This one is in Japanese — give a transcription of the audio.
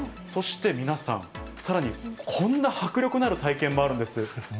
そして皆さん、さらにこんな迫力のある体験もあるんです。